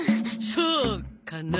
そうかな。